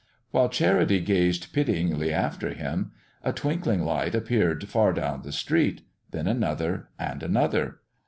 While Charity gazed pityingly after him, a twinkling light appeared far down the street; then another, and another.